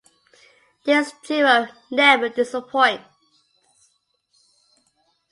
This duo never disappoints!